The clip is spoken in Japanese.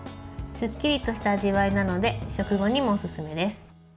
すっきりとした味わいなので食後にもおすすめです。